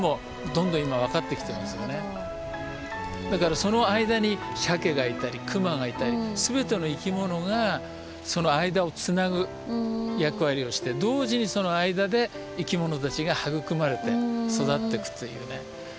だからその間にサケがいたりクマがいたり全ての生き物がその間をつなぐ役割をして同時にその間で生き物たちが育まれて育ってくというね。